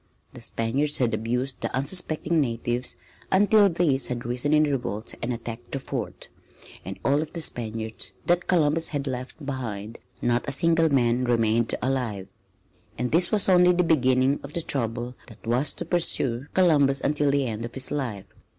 The Spaniards had abused the unsuspecting natives until these had risen in revolt and attacked the fort, and of all the Spaniards that Columbus had left behind not a single man remained alive. And this was only the beginning of the trouble that was to pursue Columbus until the end of his life.